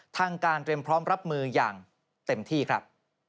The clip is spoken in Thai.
ทางการเตรียมพร้อมรับมืออย่างเต็มที่ครับ